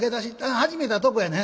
始めたとこやねん。